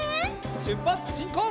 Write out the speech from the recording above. しゅっぱつしんこう！